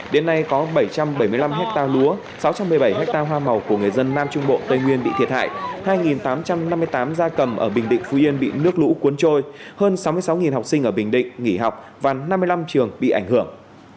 đến nay có bảy trăm bảy mươi năm hectare lúa sáu trăm một mươi bảy ha hoa màu của người dân nam trung bộ tây nguyên bị thiệt hại hai tám trăm năm mươi tám gia cầm ở bình định phú yên bị nước lũ cuốn trôi hơn sáu mươi sáu học sinh ở bình định nghỉ học và năm mươi năm trường bị ảnh hưởng